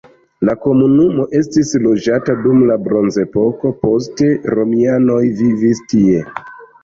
La komunumo estis loĝata dum la bronzepoko, poste romianoj vivis tie.